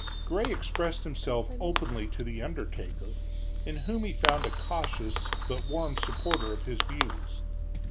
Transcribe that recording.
Gray expressed himself openly to the undertaker, in whom he found a cautious, but warm supporter of his views.